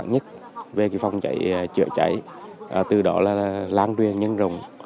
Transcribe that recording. các thành viên trong cơ lạc bộ phòng cháy trựa cháy từ đó là lan truyền nhân rồng